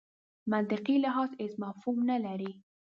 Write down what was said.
منطقي لحاظ هېڅ مفهوم نه لري.